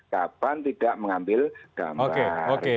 kapan tidak mengambil gambar